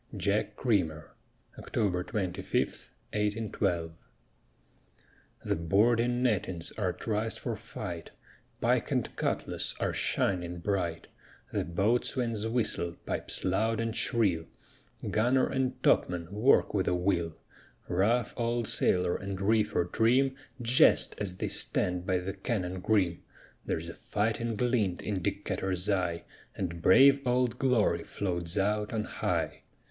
JACK CREAMER [October 25, 1812] The boarding nettings are triced for fight; Pike and cutlass are shining bright; The boatswain's whistle pipes loud and shrill; Gunner and topman work with a will; Rough old sailor and reefer trim Jest as they stand by the cannon grim; There's a fighting glint in Decatur's eye, And brave Old Glory floats out on high.